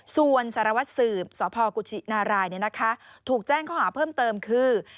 ส่วนสารวัตรสืบสพกุชินารายถูกแจ้งข้อหาเพิ่มเติมคือ